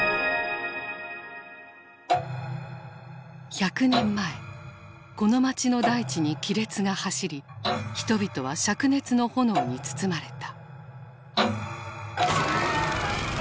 １００年前この街の大地に亀裂が走り人々はしゃく熱の炎に包まれた。